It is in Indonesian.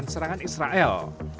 dengan serangan israel